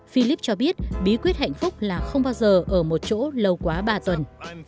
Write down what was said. philip cho biết bí quyết hạnh phúc là không bao giờ ở một chỗ lâu quá ba tuần